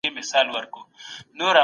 علم د هر ډول تيارو لپاره روښانه ډيوه ده.